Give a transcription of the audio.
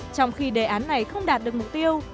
trong khi đề án này không đạt được mục tiêu